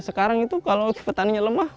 sekarang itu kalau petaninya lemah